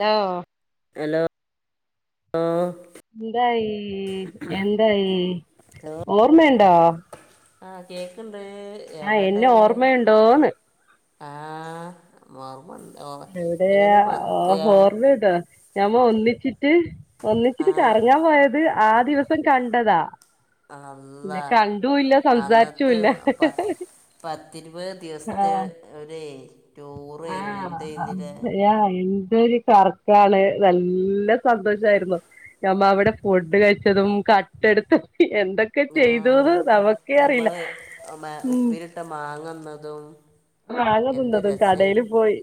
ഓ hello എന്തായി എന്തായി ഓർമ്മയുണ്ടൊ ഉം ആഹ് കേൾക് ആഹ് എന്നെ ഓർമ്മയുണ്ടോന്ന് ആഹ് മാറുമ എവിടേ [unintelligible] ഞാമ ഒന്നിച്ച് ട്ട് ആ ഒന്നിച്ചിട്ട് കറങ്ങാൻ പോയത് ആ ദിവസം കണ്ടതാ. പിന്നെ അള്ളാഹ് കണ്ടുല്ല അന്നത്തെ സംസാരിച്ചുല്ല പ പത്തിരുപത് ദിവസത്തെ ആഹ് ഒരേ ആഹ് അതയാ എ ഒരു കറക്കാണ് നല്ല സന്തോഷമായിരുന്നു ഞമ്മ അവിടെ ഫുഡ് കഴിച്ചതും കട്ടെടുത്ത് എന്തൊക്കെ ആ ചെയ്തുന്ന് നമക്കെ അറിയില്ല നമ്മള് ഉം തന്നതും വാങ്ങന്നണ്ടതും കടയില് പോയി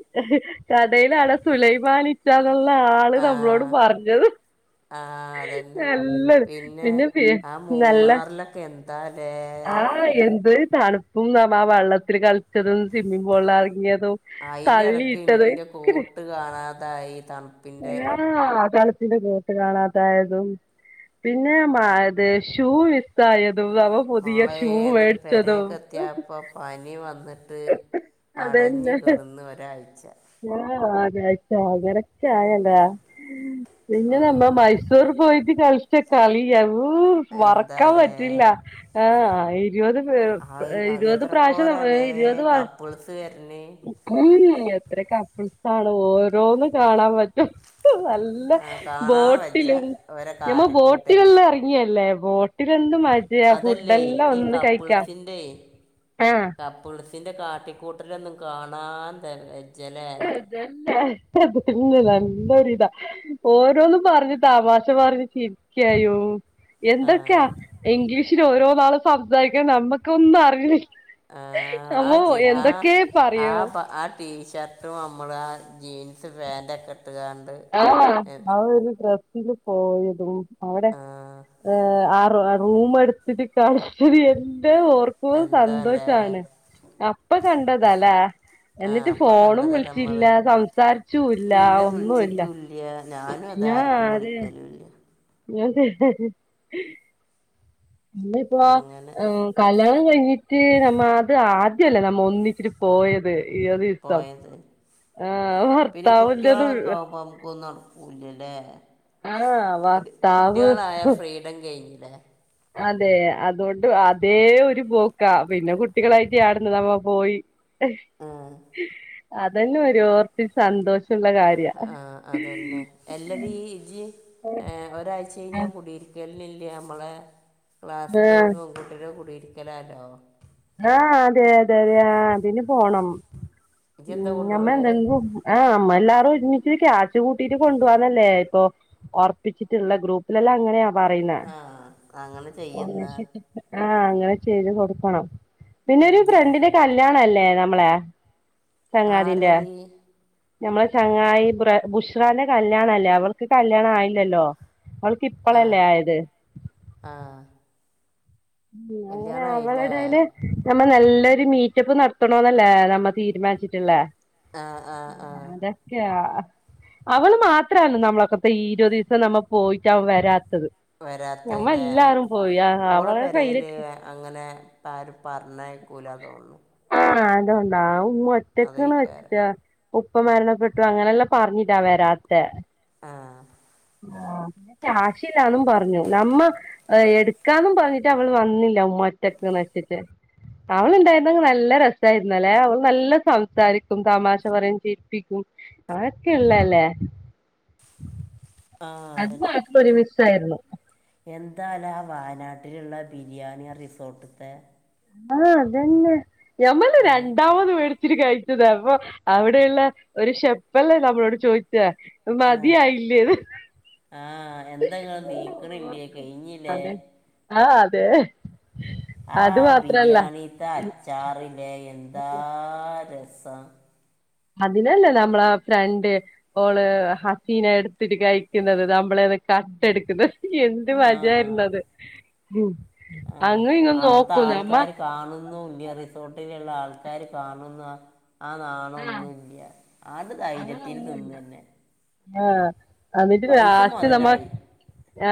കഥയിലാണ് സുലൈമാാനിച്ച ല്ല ആള് ആ നമ്മളോട് പറഞ്ഞത് ആ അതന്നെ നല്ലത് പിന്നെ നല്ല ദാൻ ആഹ് എന്ത് തണുപ്പും ന ആ വെള്ളത്തിൽ കളിച്ചതും സ്വിമ്മിംഗ പൂള ഇറങ്ങിയതും അയിന്റെ തള്ളിയിട്ടതും അതായി [unintelligible] ന്റെ കോട്ട് കാണാതായതും പിന്നെത് ഷൂ മിസ് ആ യ മോളെ എന്നിട്ട് പെരയൊക്കെ എത്തിയപ്പ പനി വന്നിട്ട് അട അതന്നെ കേ വരാ ആയിച്ച ആഹ് അതെച്ച അതാര ചായല്ലാ പിന്നെ നമ്മ ഉം. മൈസൂർ പോയിട്ട് [unintelligible] വ് വറക്കാൻ എന്താലേ പറ്റില്ല ആഹ് ഇരുപത് പ ആയി ആ- ഇരുപത് എത്ര പ്രാവശ്യം പോരാലേ ഇരുപത് വ കപ്പിൾസ് വരണ് ഇത്ര കപ്പിൾസാണ് ഓരോന്നും കാണാൻ പറ്റും നല്ല ആ, കാണാൻ വെച്ച ബോട്ടിലും ഓരെ ഞമ്മ കാട്ടിക്കൂട്ടല് ബോട്ടിലെല്ലാം ഇറങ്ങിയല്ലേ ബോട്ടില് ഫുഡ് അതല്ലേ എല്ലാം ഈ ഒന്ന് കഴിക്കാം കപ്പിൾസിന്റെ ആഹ് ന്റെ കാട്ടിക്കൂട്ടലൊന്നും കാണാൻ തന്നെ [unintelligible] നല്ല ഒരിത ഓരോന്നും പറഞ്ഞ് തമാശ പറഞ്ഞ് ചിരിക്കായോ എന്തൊക്കെയ ആ ഇംഗ്ലീഷ് ഓരോ നാളും സംസാരിക്കാൻ നമ്മുക്ക ഒന്നും അറിയില്ല അമ്മോ എന്തൊക്കെ പറയോ [unintelligible] ഷർട്ടും നമ്മള ജീൻസ് പാൻറ്റ്ക്കെ [unintelligible] പോയതും അവിടെ ആ ആഹ് ആ റൂം എടുത്തിട്ട് കളിച്ചതും എൻ തേ ഓർക്കുമ്പോ എന്താല്ലേ സന്തോഷാണ് അപ്പ കണ്ട തലേ ആ എന്നിട്ട് അപ്പം ഫോണും കണ്ടത് നമ്മൾ വിളിച്ചില്ല സംസാരിച്ചൂല്ല ഒന്നൂ ട്ടൂല്യ ഞാനും അതാ ആര്ക്കും വിളിക്കലൂ ല്ല്യ അതെ ഇനിപ്പോ അങ്ങനെ ഏഹ് കല്യാണം കഴി ഞ്ഞിട്ട് നമ്മ അത് ആദ്യല്ലേ നമ്മ ഒന്നിച്ച് ര് പോയത്. ഇയൊറീസം. പോയത് ആഹ് വർത്താവ്ന്റെ ത് ക്കൂല്ലല്ലേ ആഹ് വർത്താവ് ഫ്രീഡം [unintelligible] അതെ അകൊണ്ട് അതേ ഒരു പോക്കാ പിന്നെ കുട്ടികളായിട്ട് ആട്ന്ന് നമ്മ പോയി ആ അതെന്നൊരോർത്ത് സന്തോഷ ആഹ് അതെന്നെ എല്ലടീ ഇജ് ഏഹ് ഒരാഴ്ചയ്ഞ്ഞാ കുടിര്ക്കലിന് ഇ ല്ലേ അമ്മളെ ക്ലാസ്‌ത്തെ ആഹ് പെൺകുട്ടിൻ്റെ കുടി ര്ക്കലല്ലോ ആഹ് അതെ യതെ യതെ ആഹ് അതിന് പോണം. ഇജ്ജ് ഉം എന്താ ഞമ്മ കൊണ്ടുപോണ് ന്തെഗും ആഹ് അമ്മളെല്ലാരൊര്മി ച്ച് ക്യാശ് കൂട്ടീട്ട് കൊണ്ടോവാന്നല്ലേ ഇപ്പൊ ഓർപ്പിച്ചിട്ട് ള്ളെ ഗ്രൂപ്പിലെല്ലങ്ങനെയാ പറിണെ ആ അങ്ങനെ ചെയ്യുന്ന [unintelligible] ആഹ് അങ്ങനെ ചെയ്ത് കൊട്ക്കണം. പിന്നൊരു ഫ്രണ്ടിന്റെ കല്യാണല്ലേ ഞമ്മളെ ആരെ രീ ഞമ്മളെ ചങ്ങായി ബ ബുഷ്രന്റെ കല്യാ അവൾക്ക് ആ ഇപ്പളല്ലേ ആയത് ഉം അങ്ങനെ കല്യാണ ആയിലെ അവളടേല് നമ്മ നല്ലെരു മീറ്റപ്പ് നടത്തണോന്നല്ലേ നമ്മൾ തീരുമാനിച്ചിട്ട്ള്ളേ ആ ആ ആ ആഹ് അതെക്കെയ അവള് മാത്രാണ് നമ്മളൊക്കത്തെഈ ഇരുപത് ദിവസം നമ്മൾ പോയിട്ടാ വരാത്തത് നമ്മ എല്ലാരും പോവിയാ അവള റെയിൽവ അങ്ങനെ പാരു പാർക്ക് നന്നായിക്കൂലാതോന്നു ആ അതൊണ്ടാ മറ്റേക്കന വച്ചിട്ട അതേക്കാരം ഉപ്പ മരണപ്പെട്ടു അങ്ങനെ എല്ലാം പറഞ്ഞിട്ടാ വരാത്ത ആ ആ അ ചാശയില്ലാന്നെന്നും പറഞ്ഞു നമ്മ എടുക്കാും പറഞ്ഞിട്ട് അവൾ വന്നില്ല ഉ മറ്റക്കെന്ന് വെച്ചിട്ട് അവളുണ്ടായിരുന്നെങ്കിൽ നല്ല രസായിരുന്നല്ലെ അവൾ നല്ല സംസാരിക്കും തമാശ പറയുംയും ച്യിപ്പിക്കും അവനൊക്കെള്ളല്ലേ അത് ആ മാക്ക പറമി ചായിരുന്നു എന്താലാ വയനാട്ടിലുള്ള ബിരിയാണി റിസോർട്ടത്തെ ആഹ അതന്നെ ഞമ്മള് ഏ രണ്ടാമത് എ ഇത്തിരി കഴിച്ചത് അപ്പൊ അവിടെയുള്ള ഒരു ഷെപ്പല്ലേ നമ്മളോട് ചോദിച്ച ആഹ ആഹ എന്തെങ്ങെ നീക്കണില്ലയേ കഴിഞ്ഞില്ലേ അത ആഹ് ബീ ബരിയാണിത്ത ചാറ് ബേഗ എന്താ ന്താരസം അതിനല്ലേ നമ്മളാ ഫ്രണ്ട് ഓള് ഹസീന എടുത്തിട്ട് കഴിക്കുന്നത് നമ്മള കട്ട് എടുക്കുന്നത് എന്ത് ആ മജായിരുന്നു അത് ഉം ആ അങ്ങും ഇങ്ങും അവിടുത്തെ നോക്കും നമ്മ ആൾക്കാാര് കാണുന്നുല്യ റിസോർട്ടിലുള്ള ആൾക്കാ ആക്കാാര് കാണുന്ന ആ നാണ ഒന്നും ഇല്ല ആദ്യ ധായിര്യത്തില്ൽ നിന്ന് തന്നെ ആഹ അത്തിന്റെ പൈസ രാഴ്ച നമ്മ മുതലായി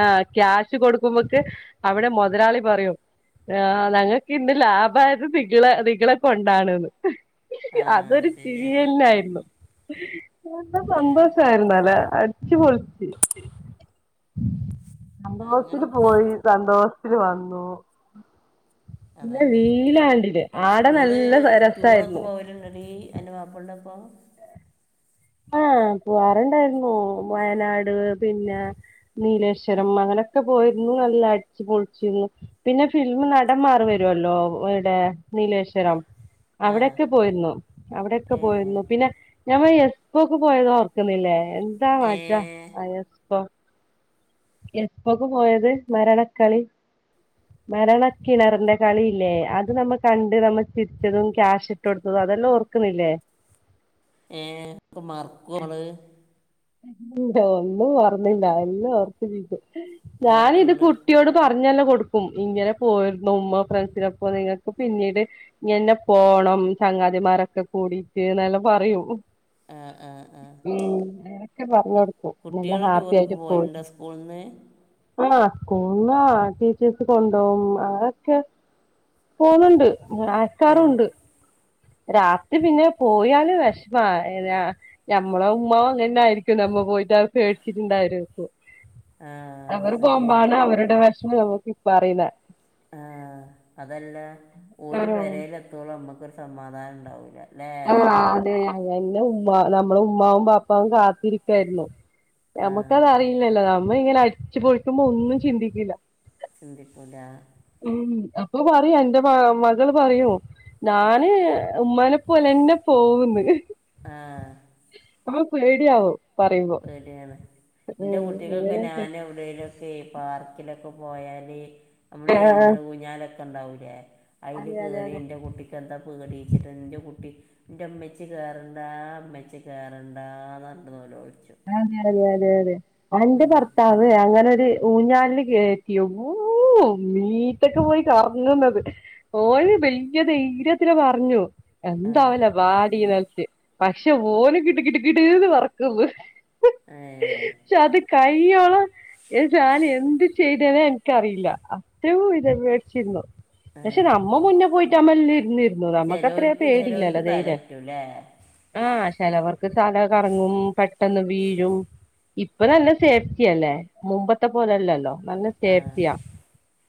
ആഹ ക്യാഷ് കൊടുക്കുമ്പൊക്ക് അവിടെ മുതലാളി പറയയും ഞങ്ങൾക്ക്ിന്ത് ലാഭായത് തികള തികളക്കൊണ്ടാണ്ന്ന് ആ അതൊരു ശരിയാണ് ചിരിയന്ന ആയിരുന്നു എല്ല ഏ സന്തോഷയിരുന്നല്ലേ ക പറച്ചി ഉം സന്തോഷത്തിൽ അങ്ങനൊക്കെ പോയി സന്തോഷ ഇത്തിരി വന്നു പിന്നെ അതന്നെ വീയിലാണ്ടീലെ ആടെ നിങ്ങൾ നല്ല രസായിരുന്നു അന്റെ മാപ്ലന്റെ ഇപ്പൊ ആഹ് പോവാറ്ണ്ടായിരുന്നു വയനാട് പിന്നെ നീലേശ്വരം അങ്ങനൊക്കെ പോയിരുന്നു നല്ല അട്ച്ചു പൊളിച്ചിരുന്നു പിന്നെ ഫില്മ നടന് മാറി വരൊല്ലോ ഇവിടെ നീലേശ്വരം ആ അവിട്യെക്കെ പോയിര്ന്നു അവിട്യെക്കെ ഏ പോയിര്ന്നു പിന്നെ ഞങ്ങള് [unintelligible] ഇപ്പൊ ക്ക് പോയത് ഓർക്കുന്നില്ലേ എന്താ ഏ വജ അയസ്പ എപ്പോക്ക് പോയത് മരണക്കളി മരണക്കിണറന്റെ കളിയില്ലേ അത് നമ്മ കണ്ട് നമ്മൾ ചതിരിച്ചതും ക്യാഷ് ഇട്ട് കൊടുത്തതും അതെല്ലാം ഓർക്ക്ന്നില്ലേ ഏർ ഇപ്പൊ മറ്ക്കോള് ഒന്നും മർന്നില്ല എല്ലാം ഓർത്തിരിക്കും ഞാനിത് ഓർക്കുന്നുണ്ട് കുട്ടിയോട് പറഞ്ഞല്ലേ കൊ ക്കും ഇങ്ങനെ പോയിരുന്നു ഉമ്മ ഫ്രണ്ട്സിനൊപ്പം നിങ്ങക്ക് പിന്നീട് ഇങ്ങന്നെ പോണം ചങ്ങാതിമാരൊക്കെ കൂടിട്ട് എന്നല്ലാം പറയും ആ ആ ആ ഉം ക്കെ പറഞ്ഞോ നല്ല കുട്ടികൾ ഹാപ്പി ടൂറൊക്കെ ആയിട്ട് പോയി പോകലുണ്ടോ സ്കൂളിൽ നിന്ന് സ്കൂന്നാ ടീച്ചേഴ്സ് കൊണ്ടോവും അതൊക്കെ പോന്നുണ്ട് ഉം ഏ ആക്കാറുണ്ട് രാത്രി പിന്നെ പോയാല് വെഷമാ ഏഹ് ഞമ്മള ഉമ്മാ അങ്ങനെയിരി ക്കും നമ്മ പോയിട്ട് പേടിച്ചിട്ടുണ്ടായിരിക്കും ആ അവർ ശരിയാണ് പോമ്പാണ് അവരുടെ വെഷമം നമു പ്പ അറീന്നെ ആഹ് അതല്ല ഓല് ആഹ് പെരേല് എത്തോളം നമ്മക്കൊരു സമാധാനം ഇണ്ടാവൂല ആഹ് അതെ അല്ലെങ്കിലും ഉമ്മാ നമ്മള് ബാമ്മാവും പാപ്പാവും കാത്തിരിക്കായിരുന്നു ആ നമ്മക്ക് അത് അറിയില്ലല്ലോ ന ഞമ്മ ഇങ്ങനെ അടിച്ചു പൊളിക്കുമ്പോ ഒന്നും ചിന്തിക്കില്ല ചിന്തിക്കൂല ഉം അപ്പൊ പറയിം എന്റെ മ മകള് പറയും ഞാന് ഉമ്മാനെ പോലെന്നെ പോകുന്ന്. ആഹ് അപ്പള് പേടി ആവും പേടിയാണ്. ഇന്റെ കുട്ടികൊക്കെ അങ്ങനെയൊക്കെ ഞാൻ എവിടെലൊക്കെയ് പാർക്കിലൊക്കെ പോയാല് നമ്മളീ ആഹ് യന്ത്ര ഊഞ്ഞാലൊ ക്കെണ്ടാവൂലേ അയില് അതെ അതെ കേറി അതെ ഇന്റെ കുട്ടിക്ക് എന്താ പേടീച്ചിട്ട് ഇന്റെ കുട്ടി ഇന്റെ ഇമ്മച്ചി കേറണ്ടാ ഇമ്മച്ചി കേറണ്ടാ ന്നാണ്ട്പറഞ്‌ നോലോൽച്ച് അ അതെ അതെ അതെ അതെ അന്റെ ഉം. ഭർത്താവ് അങ്ങനൊര് ഊഞ്ഞാലില് കേയറ്റിയ ഓ മീറ്റൊക്കെ പോയി കറങ്ങ്ന്നത് ഓല് വല്യയ ധൈര്യത്തി പറഞ്ഞു ആ എന്താവല ബാടിന്ന് പക്ഷെ ഓല് കിട് കിട് കിട്ന്ന് വറക്കന്ന്. ഏ ച്ചത് കയി യ്യോളം ഞാൻ എന്ത് ചെയ്തേനെ എനക്ക്റിയില്ല അത്രവും ഇത് പേടിച്ചിരുന്നു. ആ പക്ഷെ നമ്മ മുന്നേ പോയി തമല് ഇര്നിര് ഇര്നിര് നമുക്കത്രയാ ചിലവർക്ക് പേടില്ലല്ലോ ചിലവർക്ക് ധൈര്യിം തലറ്റൂല്ലേ ആ ശാല അവർക്ക് തല കറങ്ങും പ പെട്ടെന്ന് വീഴും ഇപ്പം നല്ല സേഫ്റ്റി അല്ലേ മുമ്പത്തെ പോലെല്ലല്ലോ. നല്ല ആ സേഫ്റ്റിയാ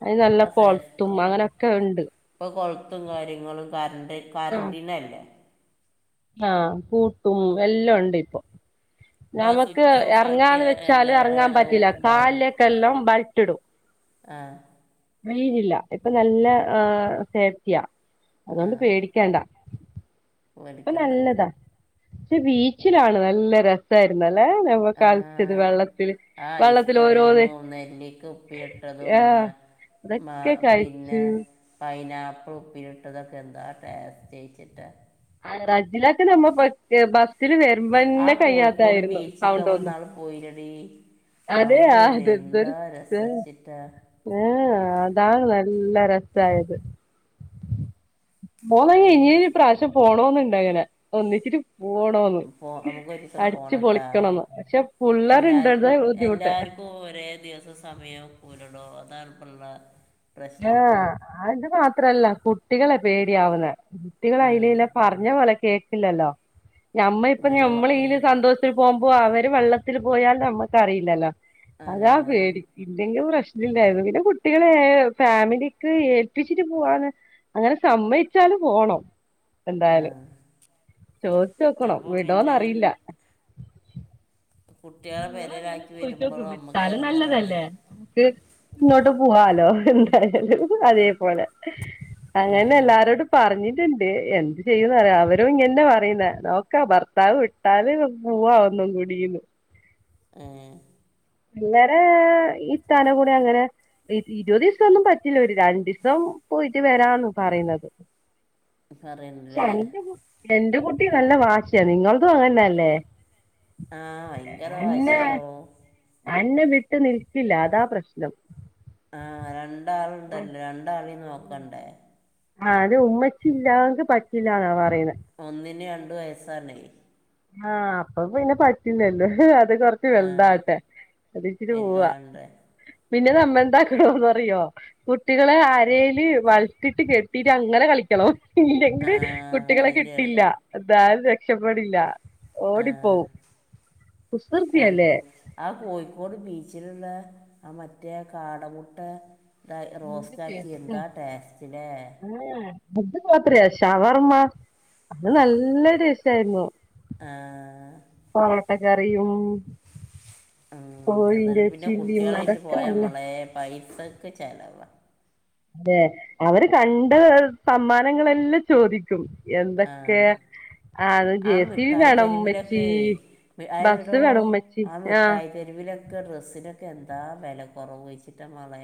അതിന് നല്ല ഇപ്പം കൊളത്തും സേഫ്റ്റി അങ്ങനെയൊക്കെ ഉണ്ട്. ും കാര്യങ്ങളും കാരണം ക്ക് ആറന്റീന ഇല്ല ആഹ കൂട്ടും എല്ലാം ഉണ്ട് ഇപ്പൊ ഇപ്പം ആ നമുക്ക് സ്വിച്ച് ഓഫ് ആക്കിയ ഇറങ്ങാന്ന് വെച്ചാല് അല്ലാതെ ഇറങ്ങാൻ ആ പറ്റില്ല കാലിലൊക്കെ എല്ലാം എട്ടിട ആഹ മീരില്ല ഇപ്പൊ നല്ല സേർത്തിയാ അതൊണ്ട് പേടിക്കേണ്ടാ വലിക്കുന്ന പക്ഷെ ബീച്ചിലാണ് നല്ല രസമായിുന്നല്ല ല്ല നമ്മ ആ കളിച്ചത് വെള്ളത്തി ആ വെള്ളത്തി ഓരോന്ന് ഐസ്ക്രീമും നെല്ലിക്ക ഉപ്പിലിട്ടതും ആഹ മ അതൊക്കെ കഴിച്ചു പ്പ ഉപ്പിലിട്ടതൊക്കെ എന്താ ടേസ്റ്റ് [inaudible] ജയിച്ചിട്ട് ആ അജിലക്കെ നമ്മ പ ബ [unintelligible] ആ കോഴിക്കോട് സൗണ്ട് ബീച്ചക്ക്ൾ ഒന്നും നാളെ പോയിരടി അതെ അവിടെയാണ് അത് എന്തൊരു എന്താ രസച്ചിട്ടാ ഏ അതാണ് നല്ല രസായത് പോന്നെങ്കി ഇന പ്രാവശം പോകണന്ന് ങ്ങനെ ഒന്നിച്ചിട്ട് പോണോന്ന് നമുക്ക് ഒരു ദിവസം അടിച്ചു പോണട്ടാ പൊളിക്കണംന്ന് പക്ഷെ പുള്ളേരുണ്ടത് എല്ലാർക്കും ബുദ്ധിമുട്ട് എല്ലാർക്കും ഒരേ ദിവസ സമയം കേടോ അതാ ഇപ്പല്ല ആഹ അത് മാത്രല്ല കുട്ടികളെ പേടിയാവുന്ന കുട്ടികൾ ആ യില്ലേല്ല പറഞ്ഞ പോലെ കേ ഇല്ലല്ലോ ഞമ്മള ഇപ്പ ഇല്ലല്ലോ നമ്മൾ ഇതില് സന്തോഷ പോകുമ്പോ അവര് വെള്ളത്തിൽ പോയാൽ നമ്മുക്ക് അറിയില്ലല്ലോ അതാ അറിയില്ല പേടി ഇലെങ്കിലും പ്രശ്നം ഇല്ല പിന്നെ കുട്ടികളെ ഫാമിലിക്ക് ഏൽപ്പിച്ചിട്ട് പോവാന് അങ്ങനെ സമ്മതിച്ചാല് പോണം ആ എന്തായാല ചോദിച്ച് നോക്കണം അപ്പോൾ പിന്നെ വിടോന്ന്റിയില്ല കുട്ടികളെ നിങ്ങള് അങ്ങനെ പെരയിലാക്കി ചോയ്ച്ചു നോക്ക് വരുമ്പോഴും നമുക്ക് വിട്ടാലും ഇടങ്ങേറാണ് നല്ലതല്ലേ നമുക്ക് ഇങ്ങോട്ട് പോവാലോ എന്തായാലും അതേപോലെ ആ അങ്ങനെ എല്ലാരോടും പറഞ്ഞി ണ്ട് എന്ത് ചെയ്യുന്നയാ അവരും ഇങ്ങെ പറയുന്ന നോക്കാ ഭർത്താവ് വിട്ടാല് പൂവാ ഒന്നും കൂടീന്ന് ഏ വരെ ഇത്താന കൂടെ അങ്ങനെ ഇരുപത് ദിവസന്നും പറ്റില്ല ഒരു രണ്ടു ദിവസം പോയിട്ട് വരന്ന് പറയുന്നത് പക്ഷെ പറയണ്ടല്ലേ എന്റെ എന്റെ കുട്ടി നല്ല വാശിയാണ് നിങ്ങതും അങ്ങനന്നല്ലേ ആഹ ഭയങ്കര വശയോടോ എന്നെ വിട്ട് നിൽക്കില്ല അതാ പ്രശ്നം ആഹ അതാണ് ആളുണ്ടല്ലോ രണ്ടാൾ നോക്കണ്ടേ ആ അത് ഉമ്മച്ചി ഇല്ലാണ്ട് പറ്റില്ലവാ ഒന്നിനെയ സാ ന ആഹ അപ്പൊ പിന്നെ പറ്റുന്നല്ലോ അത് കൊറച്ച് ആ വലുതാവട്ടെ അതിച്ചിട്ട് പോവാ വലുതാണ്ട് പിന്നെ നമ്മെന്താക്കണന്ന് അറിയോ കുട്ടികളെ അരയില് വളത്തിട്ട് കെട്ടീട്ട് അങ്ങനെ കളിക്കണം ഇല്ലെങ്കിൽ ആ കുട്ടികളെ ശരിയാണ് കിട്ടില്ല അതായ രക്ഷപ്പെടില്ല ഓടിപ്പോവും കുസൃതിയല്ലേ ഓടിപ്പോകും ആ കോയി- ക്കോട് ബീച്ചിലുള്ള ആ മറ്റേ കാടമുട്ട റോസ്റ്റ് ആക്കി എന്താ ടേസ്റ്റിലെ- അത് മാത്രയാ ഷവർമാ അത് നല്ല ടെസ്റ്റ് ആയിരുന്നു - ആ ചട്ട കറിയും ഉം അതല് കോഴിന്റെ പിന്നെ ചില്ലിയും കുട്ടികളായിട്ട് അതൊക്കെ പോയാ നല്ല വളരെ പൈ സാക്കെ ചെലവാ- അതെ അവര് കണ്ട സമ്മാനങ്ങളെല്ലാം ചോദിക്ക- ആഹ ആണ് ആ ജെ സി ബി വേണം ഉമ്മച്ചി മിഠായിത്തെരുവിലൊക്കെ ആ ബസ് വേണം ഉമ്മച്ചി ആ ആഹ് മിഠായിത്തെരുവിലൊക്കെ ഡ്രസിനൊ എന്താ വില കുറവ് വഴിച്ചിട്ടാ പേ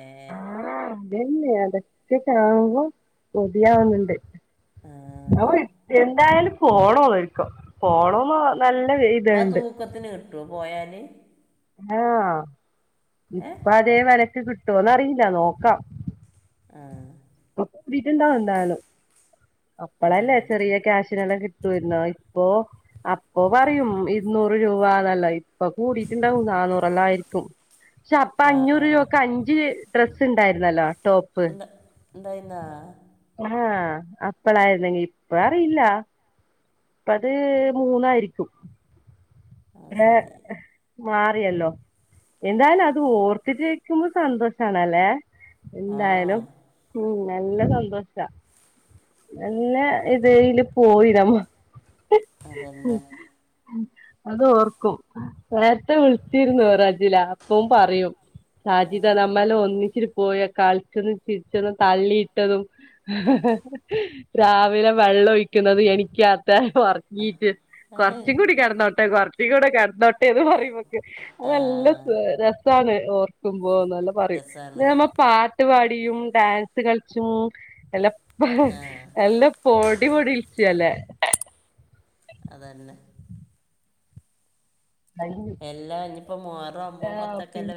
ഇല്ലെ അതക്കെ കാണുമ്പോ കൊതി ആവന്നണ്ട്- ആ, ഓ എന്തായാലും പോണന്ന്രിക്കോ പോണന്ന് നല്ല അത് ഇതുണ്ട് തൂക്കത്തിന് കിട്ടുവോ പോയാല് ആഹ് ഇപ്പ അതേ വെലക്ക് കിട്ട്- കിട്ടോന്നറിയില്ല നോക്കാം ആ ഇ കീട്ടിന്താ എന്തായള് അപ്പളല്ലേ അതന്നെ ചെറിയ ക്യാഷിനെല്ലാം കി ുന്ന ഇപ്പൊ അപ്പൊ പറയും ഇരുന്നൂറ് രൂപന്നല്ല ഇപ്പൊ കൂടിട്ടുണ്ടാവും നന്നൂറല്ല ആയിരിക്കും പക്ഷെ അപ്പ ആ ആ അഞ്ഞൂറ് രൂപ ഒക്കെ അഞ്ച് ഡ്രെസ് ഉണ്ടായിരുന്നല്ലോ ടോപ്പ് എന്താ എന്തായിരുന്നാ ആഹ് അ ഇപ്പളായിരുന്നെങ്കിൽ ഇപ്പ അറിയില്ല അപ്പ അത് മൂന്നായിരിക്കും ആ ആഹ ശരി മാറിയല്ലോ എന്തായാലും അത് ഓർത്തിട്ടിരിക്കുമ്പോ സന്തോഷണല്ലേ ആ എന്തായാലും ഉം നല്ല സന്തോഷാ നല്ല ഇതയില് പോയിടമ്മ അത പിന്നെ അതൊർക്കും നേരത്തെ വിളിച്ചിരുന്നു റജില അപ്പും പറയും സാജിദ നമ്മല ഒന്നിച്ചി പോയ കളിച്ചന്ന് ചിരിച്ചെന്ന് തള്ളിയിട്ടതും രാവിലെ വെള്ളം ഒഴിക്കുന്നത് എനിക്ക് കുറങ്ങീട്ട കുറച്ചും കൂടി കിടന്നോട്ടെ കൊറ കട്ട ക നട്ടെ പറെം അത് ആ നല്ല രസമാണ് ഓർക്കും ല്ല പറയും രസാണ് [unintelligible] പട്ട് പാടിയും ഡാൻസ് കളിച്ചും എല്ലപ്പ ആ എല്ലാ പൊടി പൊടിച്ചല്ലേ അതന്നെ എല്ലാം ഇനിയിപ്പോ മുഹറംഒമ്പത്തും ആഹ് പത്തൊക്കെ പി എല്ലാം